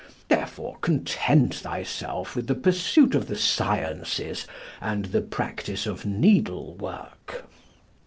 Therefore, content thyself with the pursuit of the sciences and the practice of needlework."